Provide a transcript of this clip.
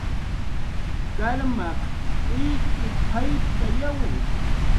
Karmaq k'uwitx jayptayawi